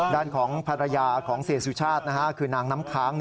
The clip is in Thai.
ด้านของภรรยาของเสียสุชาติคือนางน้ำค้าง